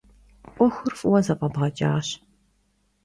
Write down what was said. ӏуэхур фӏыуэ зэфӏэбгъэкӏащ.